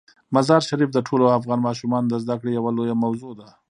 مزارشریف د ټولو افغان ماشومانو د زده کړې یوه لویه موضوع ده.